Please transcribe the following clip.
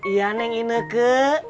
ia neng ineke